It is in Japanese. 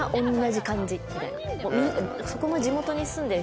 そこの地元に住んでる人